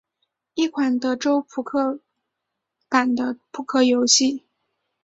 一款德州扑克版的扑克游戏。